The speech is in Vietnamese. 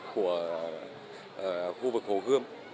của khu vực hồ gươm